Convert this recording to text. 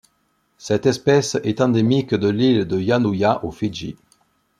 Cette espèce est endémique de l'île de Yanuya aux Fidji.